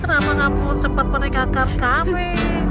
kenapa kamu sempat menegakkan kami